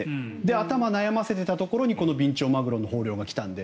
頭を悩ませていたところにこのビンチョウマグロの豊漁が来たので。